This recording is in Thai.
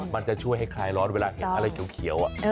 มันจะช่วยให้คลายร้อนเวลาเห็นอะไรเขียว